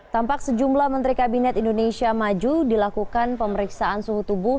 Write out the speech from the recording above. tampak sejumlah menteri kabinet indonesia maju dilakukan pemeriksaan suhu tubuh